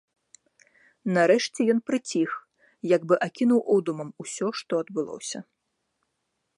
Нарэшце ён прыціх, як бы акінуў одумам усё, што адбылося.